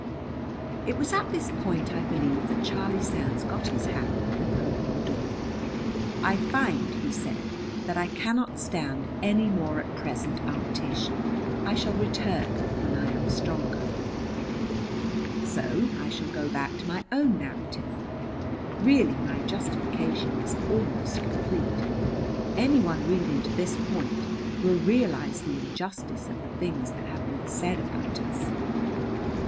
It was at this point, I believe, that Charlie Sands got his hat and opened the door. "I find," he said, "that I cannot stand any more at present, Aunt Tish. I shall return when I am stronger." So I shall go back to my own narrative. Really my justification is almost complete. Any one reading to this point will realize the injustice of the things that have been said about us.